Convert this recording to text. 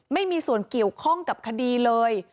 ไม่มีส่วนเกี่ยวข้องกับคดีเลย